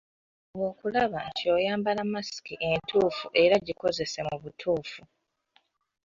Fuba okulaba nti oyambala masiki entuufu era gikozese mu butuufu.